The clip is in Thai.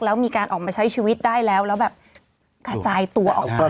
แล้วมีการออกมาใช้ชีวิตได้แล้วแล้วแบบกระจายตัวออกไป